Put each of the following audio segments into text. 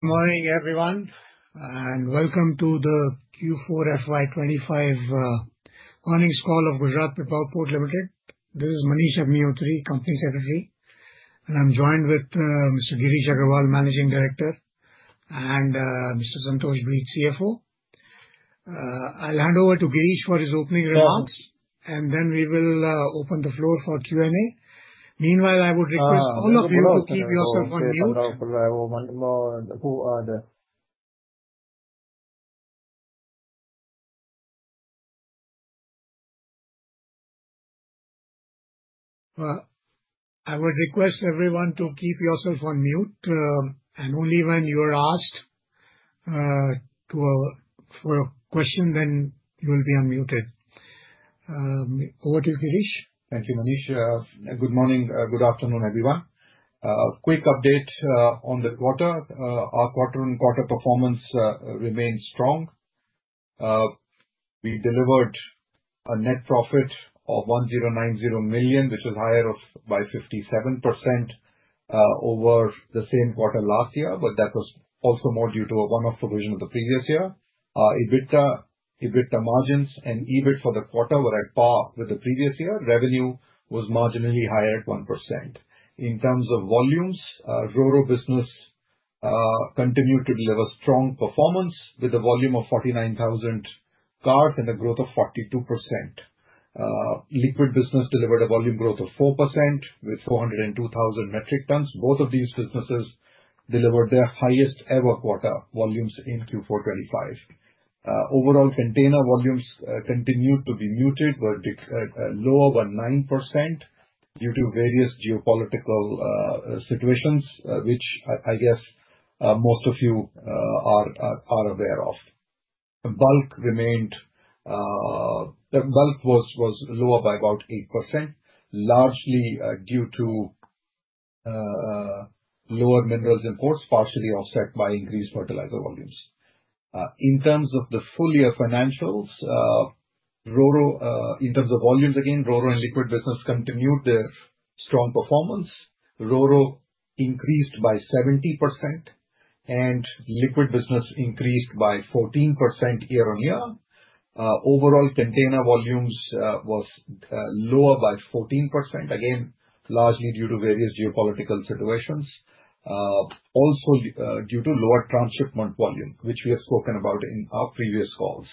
Good morning, everyone, and welcome to the Q4 FY 2025 earnings call of Gujarat Pipavav Port Ltd. This is Manish Abhinayotri, Company Secretary, and I'm joined with Mr. Girish Agrawal, Managing Director, and Mr. Santosh Breed, CFO. I'll hand over to Girish for his opening remarks, and then we will open the floor for Q&A. Meanwhile, I would request all of you to keep yourself on mute. I would request everyone to keep yourself on mute, and only when you are asked for a question, then you will be unmuted. Over to you, Girish. Thank you, Manish. Good morning, good afternoon, everyone. Quick update on the quarter. Our quarter-on-quarter performance remained strong. We delivered a net profit of 1,090 million, which is higher by 57% over the same quarter last year, but that was also more due to a one-off provision of the previous year. EBITDA margins and EBIT for the quarter were at par with the previous year. Revenue was marginally higher at 1%. In terms of volumes, RoRo business continued to deliver strong performance with a volume of 49,000 cars and a growth of 42%. Liquid business delivered a volume growth of 4% with 402,000 metric tons. Both of these businesses delivered their highest-ever quarter volumes in Q4 2025. Overall, container volumes continued to be muted, but lower by 9% due to various geopolitical situations, which I guess most of you are aware of. Bulk remained, bulk was lower by about 8%, largely due to lower minerals imports, partially offset by increased fertilizer volumes. In terms of the full-year financials, RoRo in terms of volumes, again, RoRo and liquid business continued their strong performance. RoRo increased by 70%, and liquid business increased by 14% year-on-year. Overall, container volumes were lower by 14%, again, largely due to various geopolitical situations, also due to lower transshipment volume, which we have spoken about in our previous calls.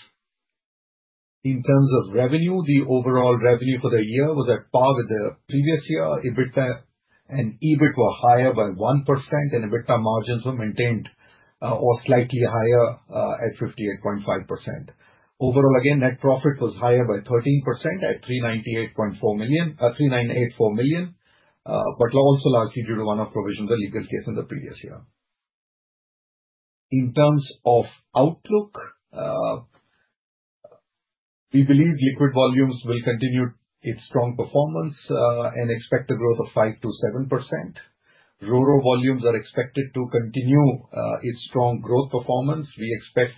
In terms of revenue, the overall revenue for the year was at par with the previous year. EBITDA and EBIT were higher by 1%, and EBITDA margins were maintained or slightly higher at 58.5%. Overall, again, net profit was higher by 13% at 398.4 million, but also largely due to one-off provisions and legal cases in the previous year. In terms of outlook, we believe liquid volumes will continue its strong performance and expect a growth of 5%-7%. RoRo volumes are expected to continue its strong growth performance. We expect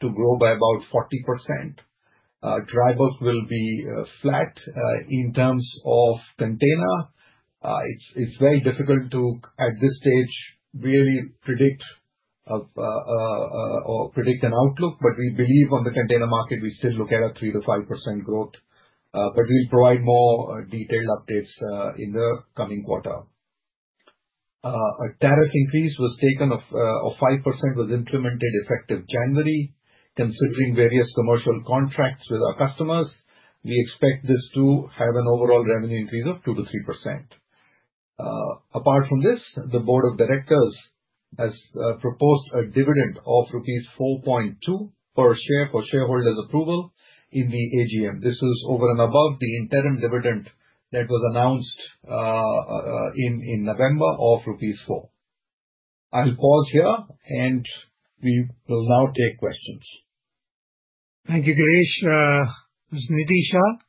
to grow by about 40%. Dry bulk will be flat. In terms of container, it's very difficult to, at this stage, really predict an outlook, but we believe on the container market, we still look at a 3%-5% growth. We will provide more detailed updates in the coming quarter. A tariff increase was taken of 5%, was implemented effective January. Considering various commercial contracts with our customers, we expect this to have an overall revenue increase of 2%-3%. Apart from this, the Board of Directors has proposed a dividend of rupees 4.2 per share for shareholders' approval in the AGM. This is over and above the interim dividend that was announced in November of rupees 4. I'll pause here, and we will now take questions. Thank you, Girish. Ms. Nidhi Shah,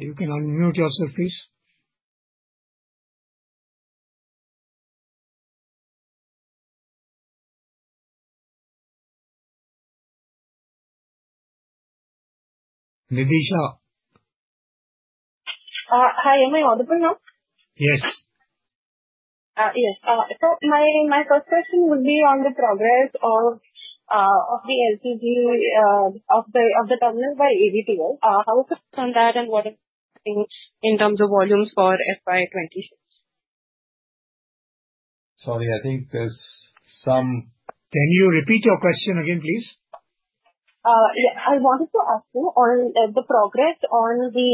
you can unmute yourself, please. Nidhisha. Hi, am I audible now? Yes. Yes. My first question would be on the progress of the LPG of the terminal by AVTL. How on that, and what are the things in terms of volumes for FY 2026? Sorry, I think there's some. Can you repeat your question again, please? Yeah. I wanted to ask you on the progress on the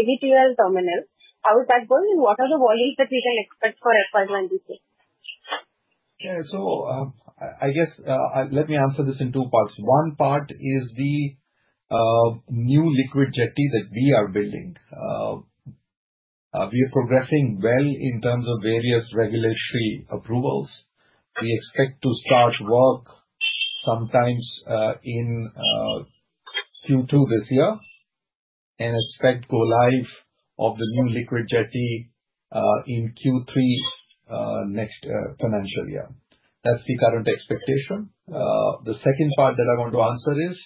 AVTL terminal. How is that going, and what are the volumes that we can expect for FY 2026? Yeah. I guess let me answer this in two parts. One part is the new liquid jetty that we are building. We are progressing well in terms of various regulatory approvals. We expect to start work sometime in Q2 this year and expect go-live of the new liquid jetty in Q3 next financial year. That is the current expectation. The second part that I want to answer is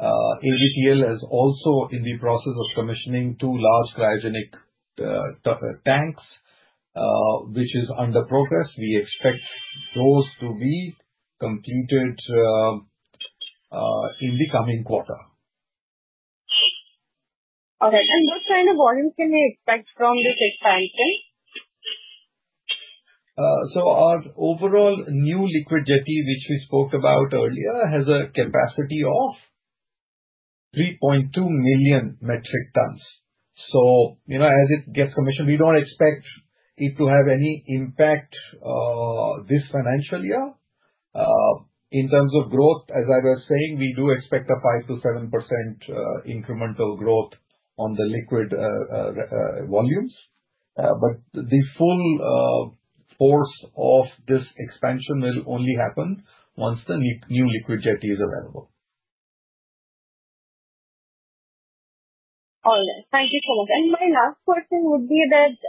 AVTL is also in the process of commissioning two large cryogenic tanks, which is under progress. We expect those to be completed in the coming quarter. Okay. What kind of volume can we expect from this expansion? Our overall new liquid jetty, which we spoke about earlier, has a capacity of 3.2 million metric tons. As it gets commissioned, we don't expect it to have any impact this financial year. In terms of growth, as I was saying, we do expect a 5%-7% incremental growth on the liquid volumes. The full force of this expansion will only happen once the new liquid jetty is available. All right. Thank you so much. My last question would be that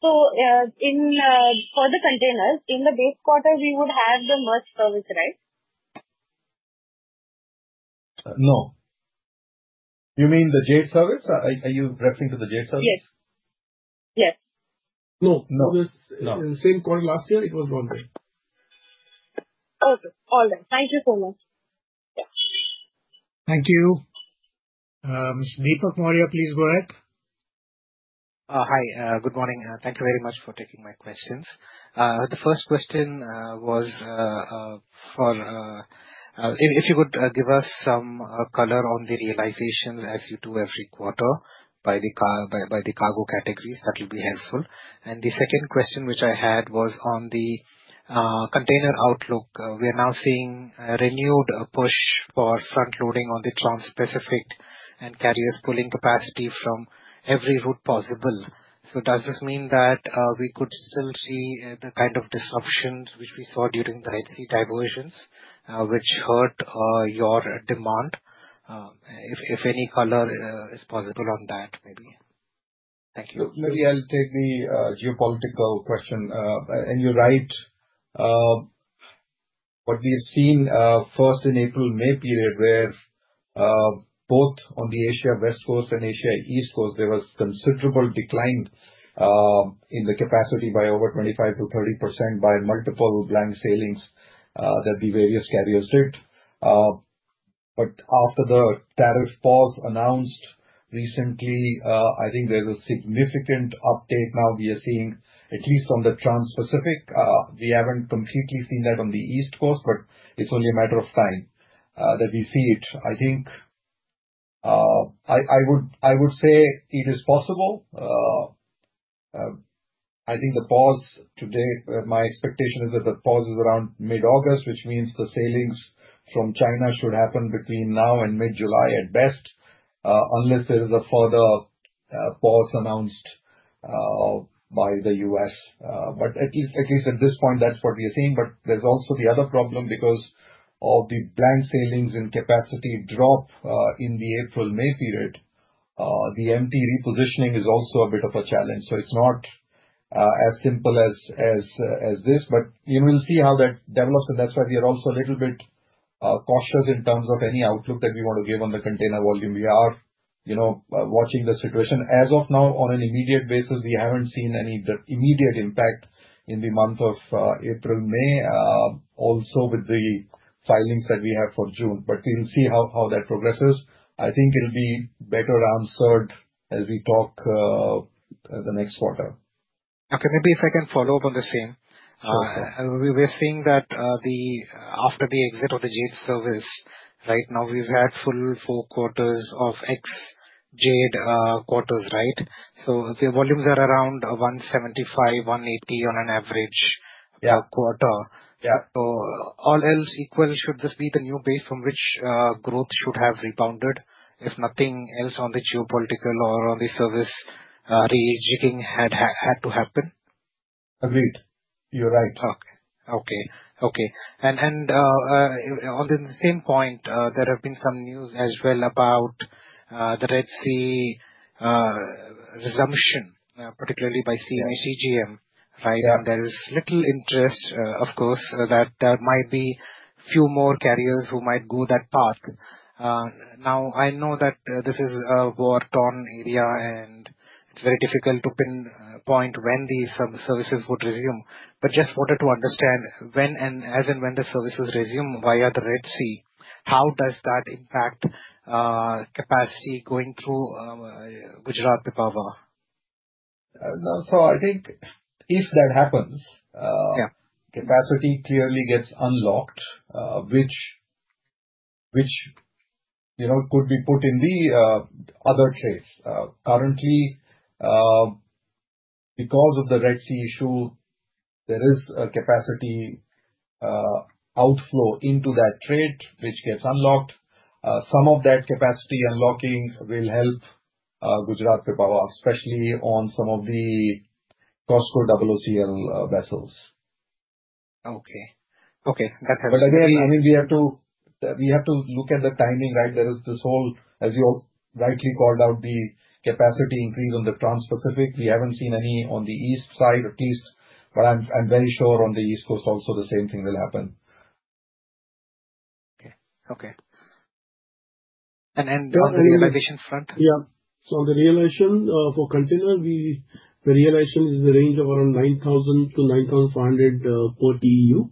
for the containers, in the base quarter, we would have the Maersk service, right? No. You mean the Jade service? Are you referring to the Jade service? Yes. Yes. No. No.No. It was the same quarter last year. It was wrong there. Okay. All right. Thank you so much. Yeah. Thank you. Mr. Deepak Maurya, please go ahead. Hi. Good morning. Thank you very much for taking my questions. The first question was for if you could give us some color on the realizations as you do every quarter by the cargo categories. That will be helpful. The second question which I had was on the container outlook. We are now seeing a renewed push for front loading on the transpacific and carriers pulling capacity from every route possible. Does this mean that we could still see the kind of disruptions which we saw during the Red Sea diversions, which hurt your demand? If any color is possible on that, maybe. Thank you. Maybe I'll take the geopolitical question. And you're right. What we have seen first in the April-May period, where both on the Asia West Coast and Asia East Coast, there was considerable decline in the capacity by over 25%-30% by multiple blank sailings that the various carriers did. But after the tariff pause announced recently, I think there's a significant update now we are seeing, at least on the transpacific. We haven't completely seen that on the East Coast, but it's only a matter of time that we see it. I think I would say it is possible. I think the pause today, my expectation is that the pause is around mid-August, which means the sailings from China should happen between now and mid-July at best, unless there is a further pause announced by the U.S. But at least at this point, that's what we are seeing. There is also the other problem because of the blank sailings and capacity drop in the April-May period. The MT repositioning is also a bit of a challenge. It is not as simple as this, but we will see how that develops. That is why we are also a little bit cautious in terms of any outlook that we want to give on the container volume. We are watching the situation. As of now, on an immediate basis, we have not seen any immediate impact in the month of April-May, also with the filings that we have for June. We will see how that progresses. I think it will be better answered as we talk the next quarter. Okay. Maybe if I can follow up on the same. We're seeing that after the exit of the Jade service, right now, we've had full four quarters of ex-Jade quarters, right? So the volumes are around 175-180 on an average per quarter. All else equal, should this be the new base from which growth should have rebounded if nothing else on the geopolitical or on the service rejigging had to happen? Agreed. You're right. Okay. Okay. Okay. On the same point, there have been some news as well about the Red Sea resumption, particularly by CMA CGM, right? There is little interest, of course, that there might be a few more carriers who might go that path. I know that this is a war-torn area, and it's very difficult to pinpoint when these services would resume. Just wanted to understand, as and when the services resume via the Red Sea, how does that impact capacity going through Gujarat Pipavav? I think if that happens, capacity clearly gets unlocked, which could be put in the other trades. Currently, because of the Red Sea issue, there is a capacity outflow into that trade, which gets unlocked. Some of that capacity unlocking will help Gujarat Pipavav, especially on some of the COSCO OCL vessels. Okay. Okay. That helps. Again, I mean, we have to look at the timing, right? There is this whole, as you rightly called out, the capacity increase on the transpacific. We have not seen any on the east side, at least. I am very sure on the East Coast, also, the same thing will happen. Okay. Okay. On the realization front? Yeah. So the realization for container, the realization is in the range of around 9,000-9,500 per TEU.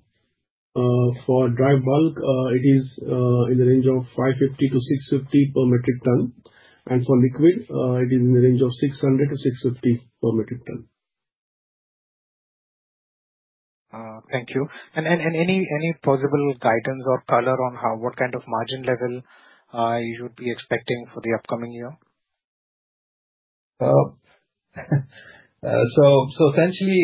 For dry bulk, it is in the range of 550-650 per metric ton. For liquid, it is in the range of 600-650 per metric ton. Thank you. Any possible guidance or color on what kind of margin level you should be expecting for the upcoming year? Essentially,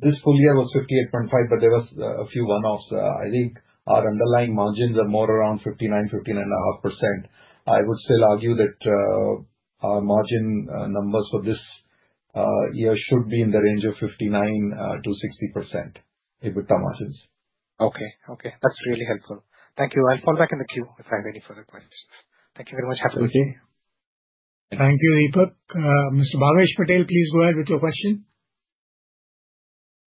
this full year was 58.5%, but there were a few one-offs. I think our underlying margins are more around 59%, 59.5%. I would still argue that our margin numbers for this year should be in the range of 59%-60%, EBITDA margins. Okay. Okay. That's really helpful. Thank you. I'll fall back in the queue if I have any further questions. Thank you very much. Have a good day. Okay. Thank you, Deepak. Mr. Bhavesh Patel, please go ahead with your question.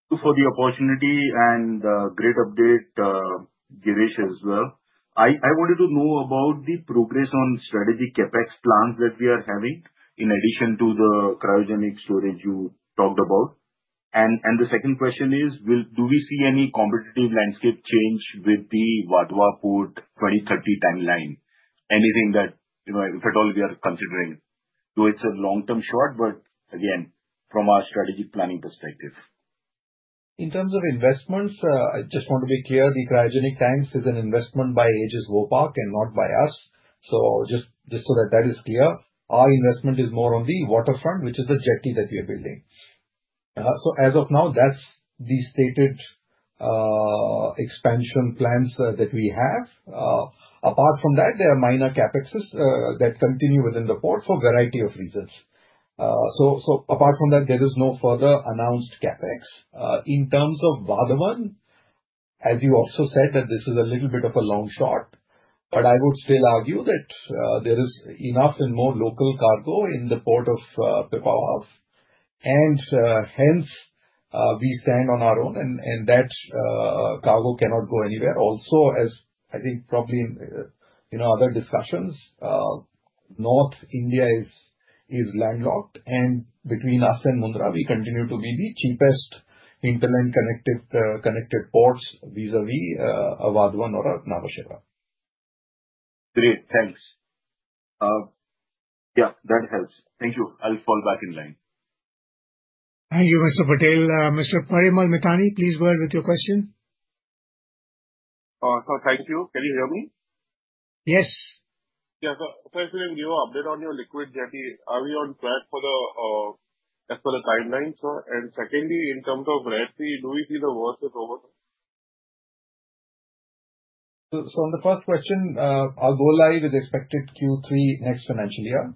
Thank you for the opportunity and the great update, Girish, as well. I wanted to know about the progress on strategic CapEx plans that we are having in addition to the cryogenic storage you talked about. The second question is, do we see any competitive landscape change with the Vadhavan Port 2030 timeline? Anything that, if at all, we are considering? It is a long-term short, but again, from our strategic planning perspective. In terms of investments, I just want to be clear. The cryogenic tanks is an investment by Aegis Vopak and not by us. Just so that is clear, our investment is more on the waterfront, which is the jetty that we are building. As of now, that is the stated expansion plans that we have. Apart from that, there are minor CapExs that continue within the port for a variety of reasons. Apart from that, there is no further announced CapEx. In terms of Vadhavan, as you also said, this is a little bit of a long shot, but I would still argue that there is enough and more local cargo in the port of Pipavav. Hence, we stand on our own, and that cargo cannot go anywhere. Also, as I think probably in other discussions, North India is landlocked. Between us and Mundra, we continue to be the cheapest interland connected ports vis-à-vis Vadhavan or Nhava Sheva. Great. Thanks. Yeah, that helps. Thank you. I'll fall back in line. Thank you, Mr. Patel. Mr. Parimal Mithani, please go ahead with your question. Thank you. Can you hear me? Yes. Yeah. Firstly, give an update on your liquid jetty. Are we on track for the timeline? Secondly, in terms of Red Sea, do we see the worst is over? On the first question, our goal lies with expected Q3 next financial year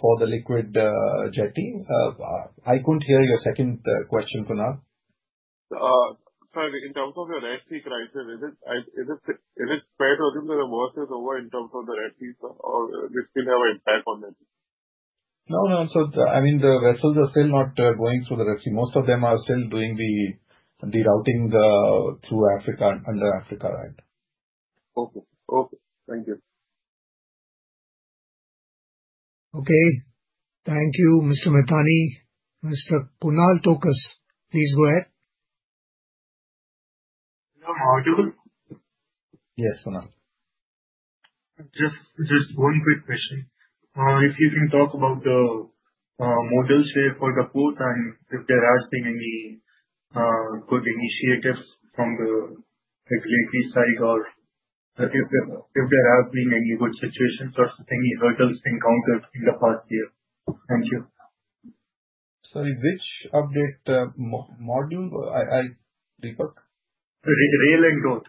for the liquid jetty. I couldn't hear your second question for now. Sorry. In terms of the Red Sea crisis, is it fair to assume that the worst is over in terms of the Red Sea? Or will it still have an impact on it? No, no. I mean, the vessels are still not going through the Red Sea. Most of them are still doing the routing through Africa, under Africa, right? Okay. Okay. Thank you. Okay. Thank you, Mr. Mithani. Mr. Kunal Tokas, please go ahead. Am I audible? Yes, Kunal. Just one quick question. If you can talk about the modal share for the port and if there have been any good initiatives from the regulatory side or if there have been any good situations or any hurdles encountered in the past year. Thank you. Sorry. Which update module? Deepak? Rail and road.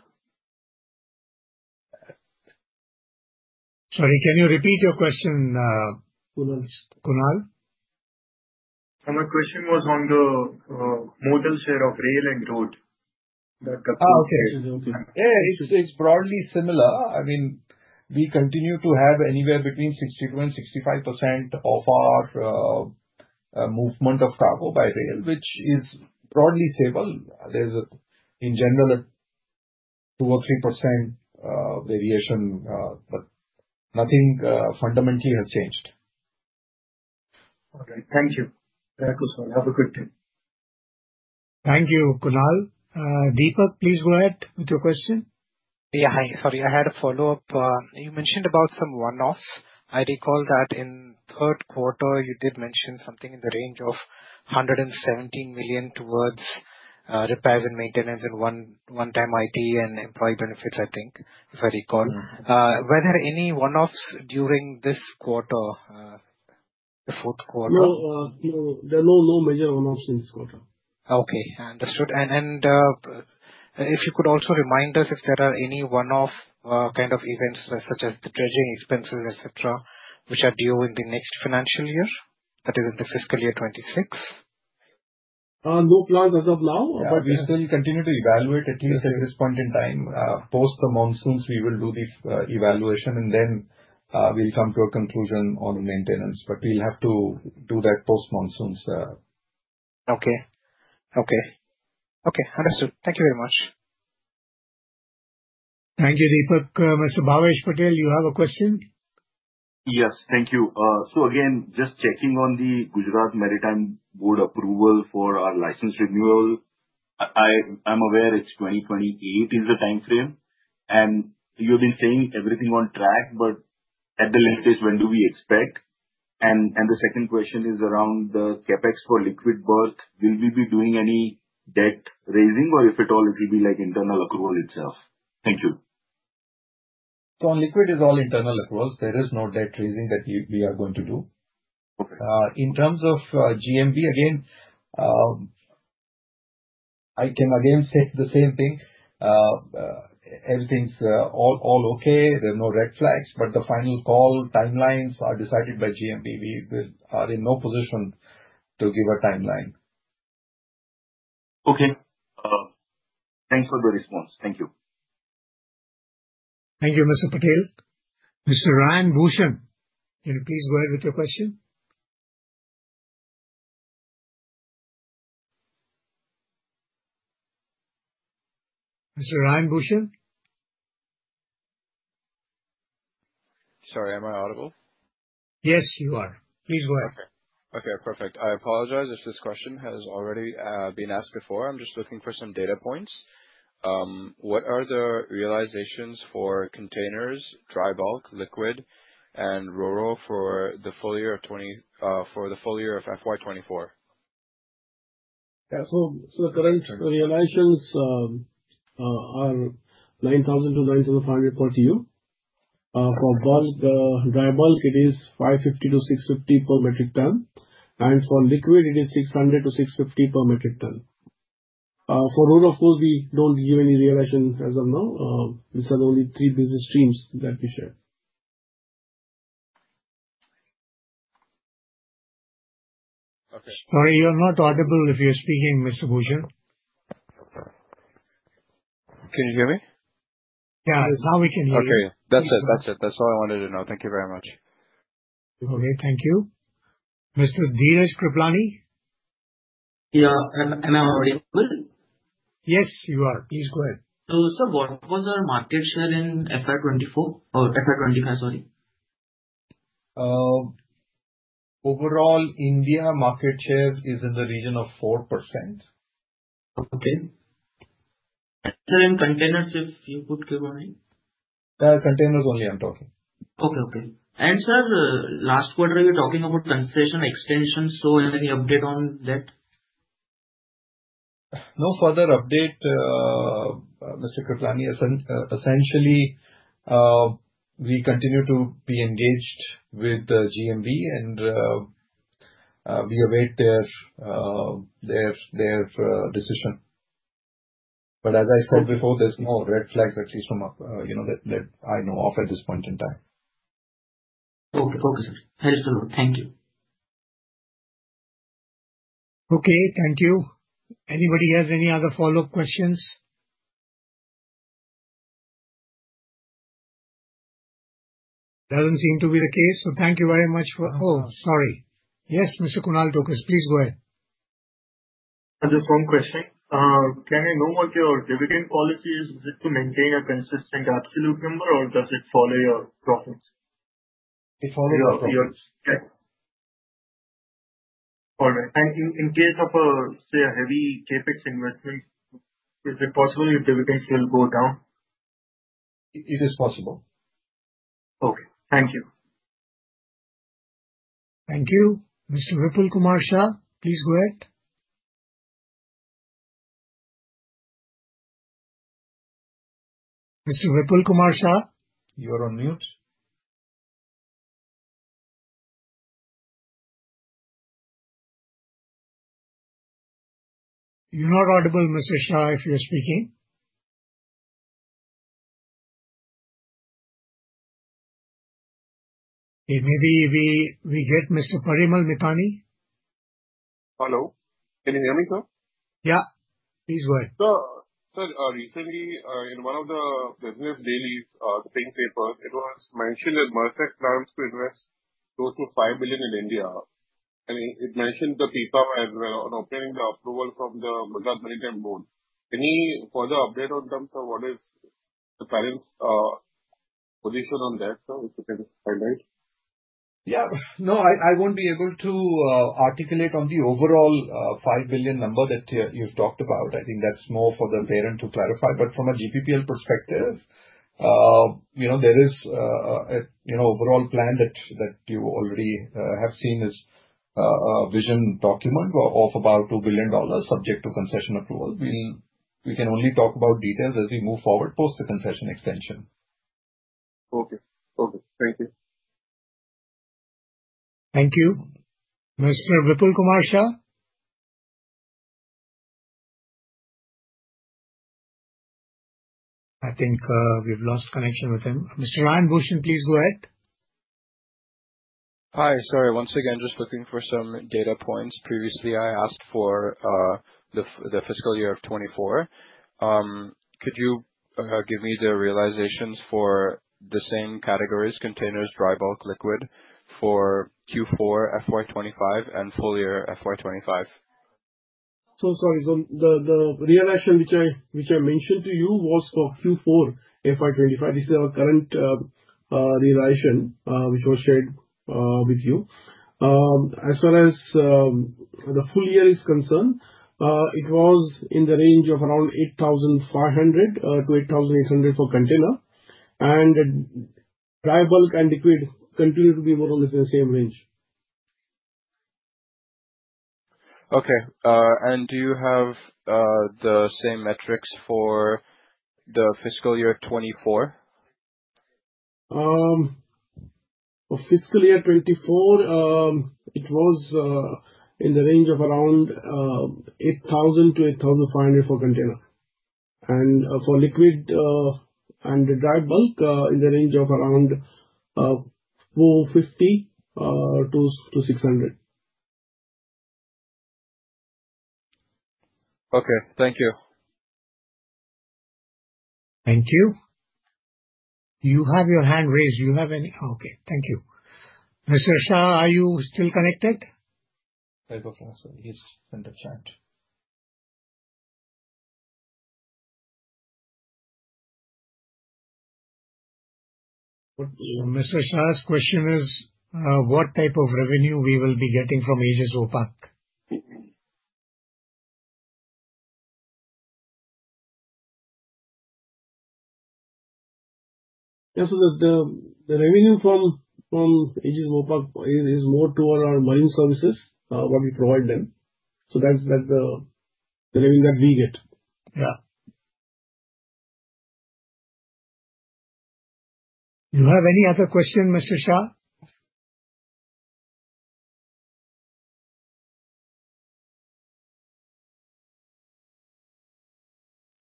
Sorry. Can you repeat your question, Kunal? My question was on the modal share of rail and road. Okay. It's broadly similar. I mean, we continue to have anywhere between 62% and 65% of our movement of cargo by rail, which is broadly stable. There's, in general, a 2% or 3% variation, but nothing fundamentally has changed. All right. Thank you. Thank you, sir. Have a good day. Thank you, Kunal. Deepak, please go ahead with your question. Yeah. Hi. Sorry. I had a follow-up. You mentioned about some one-offs. I recall that in the third quarter, you did mention something in the range of 117 million towards repairs and maintenance and one-time IT and employee benefits, I think, if I recall. Were there any one-offs during this quarter, the fourth quarter? No. There are no major one-offs in this quarter. Okay. Understood. If you could also remind us if there are any one-off kind of events such as the dredging expenses, etc., which are due in the next financial year, that is, in the fiscal year 2026? No plans as of now. But we still continue to evaluate, at least at this point in time. Post the monsoons, we will do the evaluation, and then we will come to a conclusion on maintenance. We will have to do that post-monsoons. Okay. Okay. Okay. Understood. Thank you very much. Thank you, Deepak. Mr. Bhavesh Patel, you have a question? Yes. Thank you. Again, just checking on the Gujarat Maritime Board approval for our license renewal. I'm aware 2028 is the timeframe. You've been saying everything on track, but at the latest, when do we expect? The second question is around the CapEx for liquid berth. Will we be doing any debt raising, or if at all, it will be like internal accrual itself? Thank you. On liquid, it's all internal accruals. There is no debt raising that we are going to do. In terms of GMB, again, I can say the same thing. Everything's all okay. There are no red flags. The final call timelines are decided by GMB. We are in no position to give a timeline. Okay. Thanks for the response. Thank you. Thank you, Mr. Patel. Mr. Rayaan Bhushan, can you please go ahead with your question? Mr. Rayaan Bhushan. Sorry. Am I audible? Yes, you are. Please go ahead. Okay. Okay. Perfect. I apologize if this question has already been asked before. I'm just looking for some data points. What are the realizations for containers, dry bulk, liquid, and RoRo for the full year of FY 2024? Yeah. So the current realizations are 9,000-9,500 per TEU. For bulk, dry bulk, it is 550-650 per metric ton. And for liquid, it is 600-650 per metric ton. For RoRo, of course, we do not give any realization as of now. These are the only three business streams that we share. Okay. Sorry. You're not audible if you're speaking, Mr. Bhushan. Can you hear me? Yeah. Now we can hear you. Okay. That's it. That's all I wanted to know. Thank you very much. Okay. Thank you. Mr. Dhiraj Kripalani? Yeah. Am I audible? Yes, you are. Please go ahead. Sir, what was our market share in FY 2024 or FY 2025? Sorry. Overall, India market share is in the region of 4%. Okay. Sir, in containers, if you could give only? Containers only, I'm talking. Okay. Okay. Sir, last quarter, you were talking about concession extensions. Any update on that? No further update, Mr. Kriplani. Essentially, we continue to be engaged with GMB, and we await their decision. As I said before, there's no red flags, at least from what I know of at this point in time. Okay. Okay. Sir, understood. Thank you. Okay. Thank you. Anybody has any other follow-up questions? Doesn't seem to be the case. Thank you very much for—oh, sorry. Yes, Mr. Kunal Tokas, please go ahead. Just one question. Can I know what your dividend policy is? Is it to maintain a consistent absolute number, or does it follow your profits? It follows your profits. Yeah. All right. And in case of a, say, a heavy CapEx investment, is it possible your dividends will go down? It is possible. Okay. Thank you. Thank you. Mr. Vipul Kumar Shah, please go ahead. Mr. Vipul Kumar Shah. You're on mute. You're not audible, Mr. Shah, if you're speaking. Okay. Maybe we get Mr. Parimal Mithani. Hello. Can you hear me, sir? Yeah. Please go ahead. Sir, recently, in one of the business dailies, the bank paper, it was mentioned that Maersk plans to invest close to $5 billion in India. It mentioned the Pipavav Port as well on obtaining the approval from the Gujarat Maritime Board. Any further update on terms of what is the parent's position on that, sir, if you can highlight? Yeah. No, I won't be able to articulate on the overall $5 billion number that you've talked about. I think that's more for the parent to clarify. From a GPPL perspective, there is an overall plan that you already have seen as a vision document of about $2 billion, subject to concession approval. We can only talk about details as we move forward post the concession extension. Okay. Okay. Thank you. Thank you. Mr. Vipul Kumar Shah? I think we've lost connection with him. Mr. Rayaan Bhushan, please go ahead. Hi. Sorry. Once again, just looking for some data points. Previously, I asked for the fiscal year of 2024. Could you give me the realizations for the same categories, containers, dry bulk, liquid for Q4 FY 2025 and full year FY 2025? Sorry. The realization which I mentioned to you was for Q4 FY25. This is our current realization which was shared with you. As far as the full year is concerned, it was in the range of 8,500-8,800 for container. Dry bulk and liquid continue to be more or less in the same range. Okay. Do you have the same metrics for the fiscal year 2024? For fiscal year 2024, it was in the range of around 8,000-8,500 for container. For liquid and dry bulk, in the range of around 450-600. Okay. Thank you. Thank you. You have your hand raised. Do you have any? Okay. Thank you. Mr. Shah, are you still connected? Type of answer. He's in the chat. Mr. Shah's question is, what type of revenue we will be getting from Aegis Vopak? Yeah. The revenue from Aegis Vopak is more toward our marine services, what we provide them. That is the revenue that we get. Yeah. You have any other question, Mr. Shah?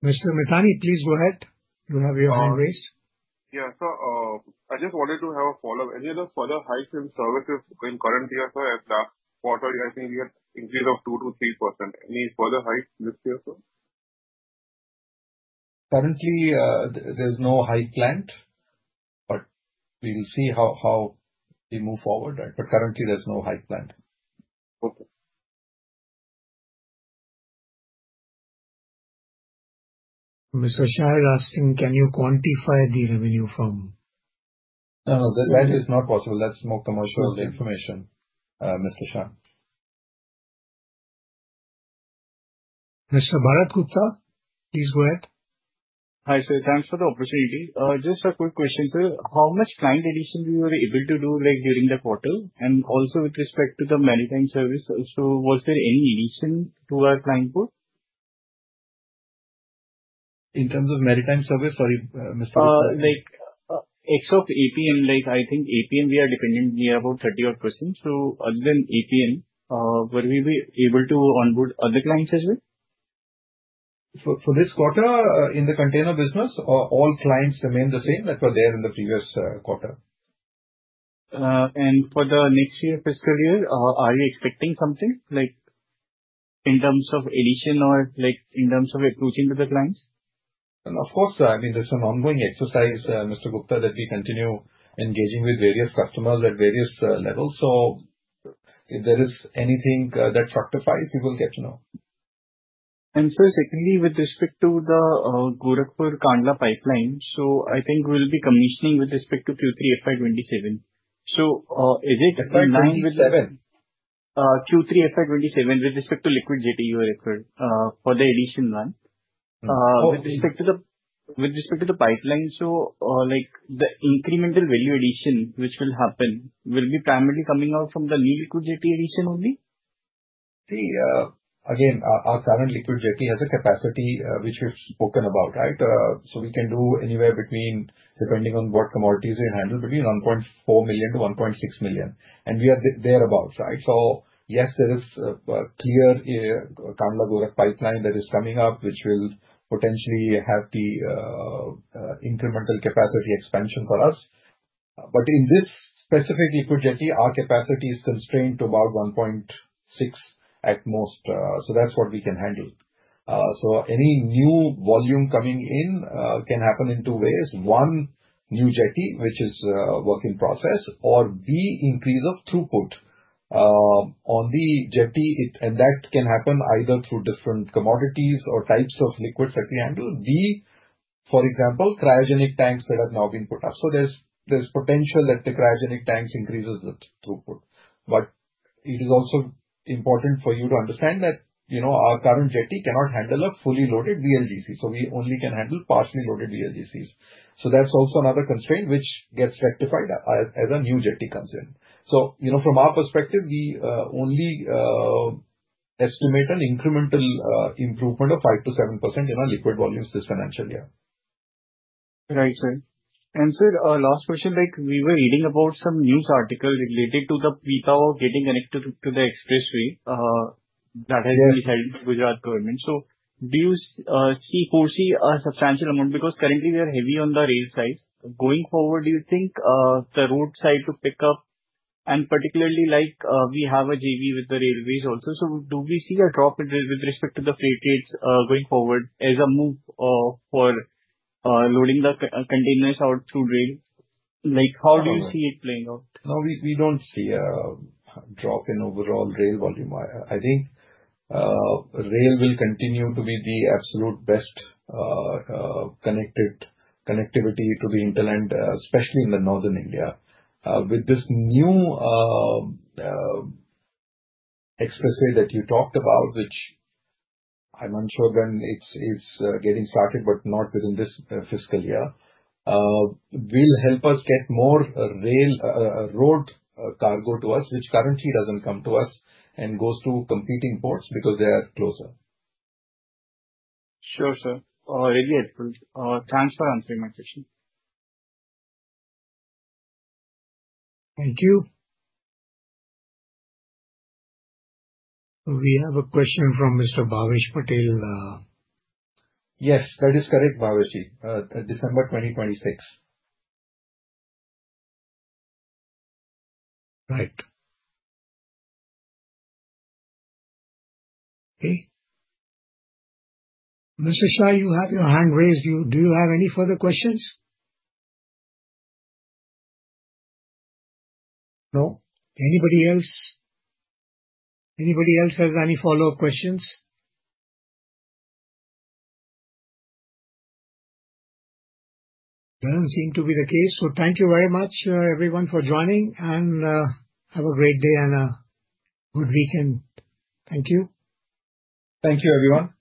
Mr. Mithani, please go ahead. You have your hand raised. Yeah. I just wanted to have a follow-up. Any other further hikes in services in current year, sir, as last quarter, you guys were thinking we had an increase of 2%-3%? Any further hikes this year, sir? Currently, there's no hike planned. We'll see how we move forward. Currently, there's no hike planned. Okay. Mr. Shah is asking, can you quantify the revenue from? That is not possible. That's more commercial information, Mr. Shah. Mr. Bharat Gupta, please go ahead. Hi. Thanks for the opportunity. Just a quick question, sir. How much client addition were you able to do during the quarter? Also, with respect to the maritime service, was there any addition to our client port? In terms of maritime service? Sorry, Mr. Gupta. I think of APM, I think APM, we are dependent near about 30-odd %. So other than APM, were we able to onboard other clients as well? For this quarter, in the container business, all clients remain the same that were there in the previous quarter. For the next year, fiscal year, are you expecting something in terms of addition or in terms of approaching to the clients? Of course. I mean, it's an ongoing exercise, Mr. Gupta, that we continue engaging with various customers at various levels. If there is anything that fructifies, we will get to know. Sir, secondly, with respect to the Gorakhpur-Kandla pipeline, I think we'll be commissioning with respect to Q3 FY 2027. Is it in line with the Q3 FY 2027 with respect to liquid jetty record for the addition one? With respect to the pipeline, the incremental value addition which will happen will be primarily coming out from the new liquid jetty addition only? See, again, our current liquid jetty has a capacity which we've spoken about, right? We can do anywhere between, depending on what commodities we handle, between 1.4 million-1.6 million. We are thereabouts, right? Yes, there is a clear Kandla-Gorakhpur pipeline that is coming up, which will potentially have the incremental capacity expansion for us. In this specific liquid jetty, our capacity is constrained to about 1.6 million at most. That's what we can handle. Any new volume coming in can happen in two ways. One, new jetty, which is a work in process, or B, increase of throughput on the jetty. That can happen either through different commodities or types of liquids that we handle. D, for example, cryogenic tanks that have now been put up. There's potential that the cryogenic tanks increase the throughput. It is also important for you to understand that our current jetty cannot handle a fully loaded VLGC. We only can handle partially loaded VLGCs. That is also another constraint which gets rectified as a new jetty comes in. From our perspective, we only estimate an incremental improvement of 5%-7% in our liquid volumes this financial year. Right, sir. Sir, last question. We were reading about some news article related to Pipavav getting connected to the expressway that has been held by Gujarat government. Do you foresee a substantial amount? Because currently, we are heavy on the rail side. Going forward, do you think the road side to pick up, and particularly we have a JV with the railways also? Do we see a drop with respect to the freight rates going forward as a move for loading the containers out through rail? How do you see it playing out? No, we don't see a drop in overall rail volume. I think rail will continue to be the absolute best connectivity to the hinterland, especially in northern India. With this new expressway that you talked about, which I'm unsure when it's getting started, but not within this fiscal year, will help us get more road cargo to us, which currently doesn't come to us and goes to competing ports because they are closer. Sure, sir. Again, thanks for answering my question. Thank you. We have a question from Mr. Bhavesh Patel. Yes. That is correct, Bhavesh. December 2026. Right. Okay. Mr. Shah, you have your hand raised. Do you have any further questions? No? Anybody else? Anybody else has any follow-up questions? Does not seem to be the case. Thank you very much, everyone, for joining. Have a great day and a good weekend. Thank you. Thank you, everyone.